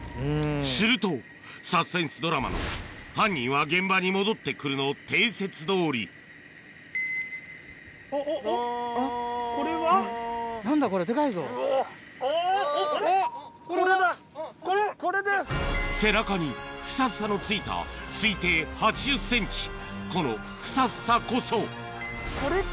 するとサスペンスドラマの「犯人は現場に戻ってくる」の定説どおり背中にフサフサのついた推定８０ｃｍこのフサフサこそこれか！